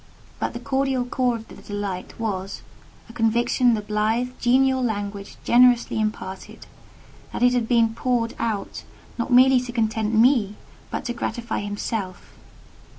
But the cordial core of the delight was, a conviction the blithe, genial language generously imparted, that it had been poured out not merely to content me—but to gratify himself.